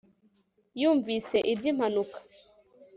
Yumvise ibyimpanuka